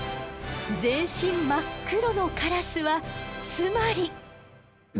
全身真っ黒のカラスはつまり。